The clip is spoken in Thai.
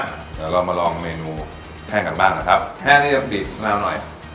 เดี๋ยวเรามาลองเมนูแพ้งกันบ้างนะครับแพ้งเก้าล๊อคบีบน้ำหน่อย